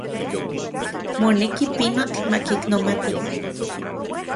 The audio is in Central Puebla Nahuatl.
Moneki, pinotl makiknomati.